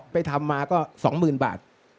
ไปทำมาก็๒๐๐๐บาท